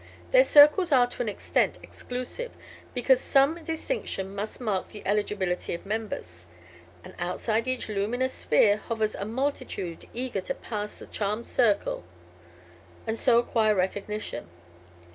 Their circles are to an extent exclusive, because some distinction must mark the eligibility of members. And outside each luminous sphere hovers a multitude eager to pass the charmed circle and so acquire recognition.